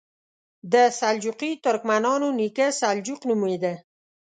د سلجوقي ترکمنانو نیکه سلجوق نومېده.